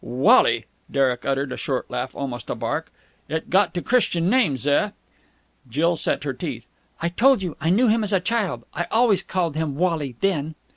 "Wally!" Derek uttered a short laugh, almost a bark. "It got to Christian names, eh?" Jill set her teeth. "I told you I knew him as a child. I always called him Wally then."